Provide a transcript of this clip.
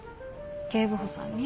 警部補さんに？